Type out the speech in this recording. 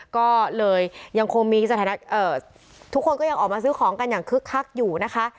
ก็เลยยังคงมีสถานะทุกคนก็ยังออกมาซื้อของกันอย่างคึกคักอยู่นะคะ